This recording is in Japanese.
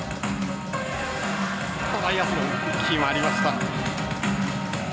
トライアスロン決まりました！